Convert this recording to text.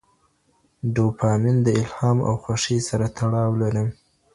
ډوپامین د الهام او خوښۍ سره تړاو لري.